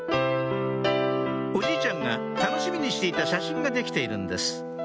おじいちゃんが楽しみにしていた写真が出来ているんです